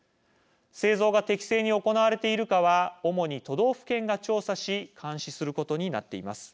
製造が適正に行われているかは主に都道府県が調査し監視することになっています。